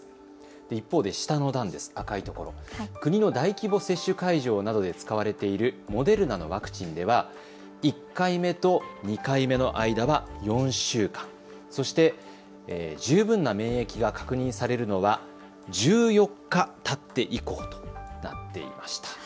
一方、赤い所、国の大規模接種会場などで使われているモデルナのワクチンでは１回目と２回目の間は４週間、そして、十分な免疫が確認されるのは１４日たって以降となっていました。